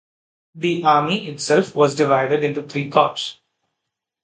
The army itself was divided into three corps.